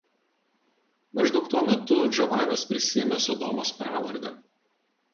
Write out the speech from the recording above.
Maždaug tuo metu Džovanis prisiėmė Sodomos pravardę.